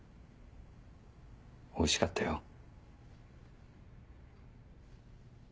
おいしかったよ。